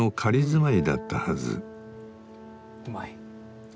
うまい。